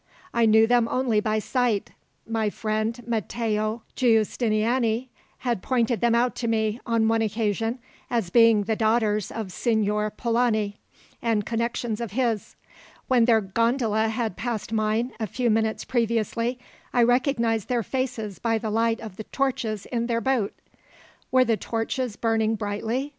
"I knew them only by sight. My friend Matteo Giustiniani had pointed them out to me, on one occasion, as being the daughters of Signor Polani, and connections of his. When their gondola had passed mine, a few minutes previously, I recognized their faces by the light of the torches in their boat." "Were the torches burning brightly?"